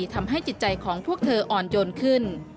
ทำให้จิตใจของพวกเธออ่อนโยนขึ้น